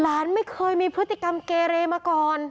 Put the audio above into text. หลานไม่เคยมีพฤติกรรมเกเรมาก่อน